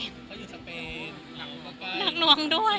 เขาอยู่สเปนหนักนวงด้วย